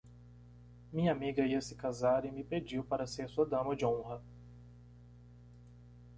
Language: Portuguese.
Minha amiga ia se casar e me pediu para ser sua dama de honra.